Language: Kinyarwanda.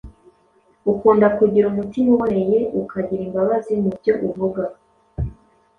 Ukunda kugira umutima uboneye akagira imbabazi mu byo avuga,